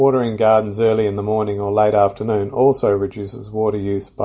dengan mengulangi penguasaan air natural